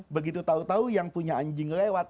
begitu tahu tahu yang punya anjing lewat